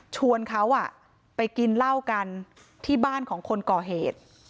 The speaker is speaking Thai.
ชวนเขาไปกินเหล้ากันที่บ้านของคนก่อเหตุ